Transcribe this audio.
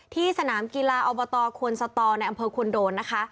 ที่สนามกีฬาอบตควนสตอในอำเภอควรโดนนะคะ